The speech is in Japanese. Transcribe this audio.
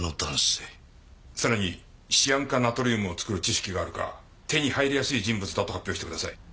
さらにシアン化ナトリウムを作る知識があるか手に入りやすい人物だと発表してください。